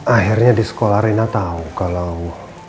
akhirnya di sekolah rena tau kalau